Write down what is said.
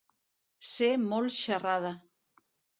Ser molt xerrada.